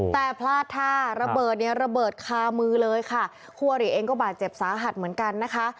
แต่พลาดท่าระเบิดเนี่ยระเบิดคามือเลยค่ะคู่อริเองก็บาดเจ็บสาหัสเหมือนกันนะคะ